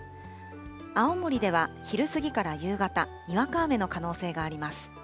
青森では昼過ぎから夕方、にわか雨の可能性があります。